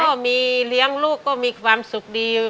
ก็มีเลี้ยงลูกก็มีความสุขดี